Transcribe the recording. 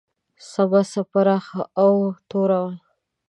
سمڅه پراخه او توره وه.